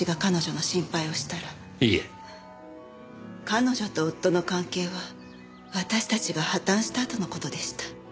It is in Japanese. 彼女と夫の関係は私たちが破綻したあとの事でした。